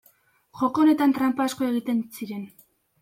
Joko honetan tranpa asko egiten ziren.